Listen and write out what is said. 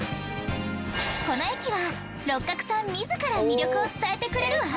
この駅は六角さん自ら魅力を伝えてくれるわ！